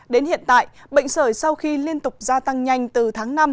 đến hiện tại bệnh sởi sau khi liên tục gia tăng nhanh từ tháng năm